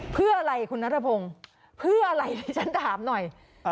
เพื่ออะไรคุณนัทพงศ์เพื่ออะไรดิฉันถามหน่อย